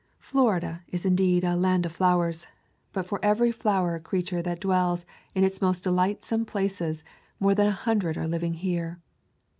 Florida is indeed a "land of flowers," but [ 190 ] To California for every flower creature that dwells in its most delightsome places more than a hundred are living here.